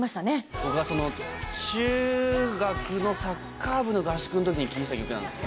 僕が中学のサッカー部の合宿のときに聴いていたんです。